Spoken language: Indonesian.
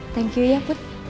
thank you ya put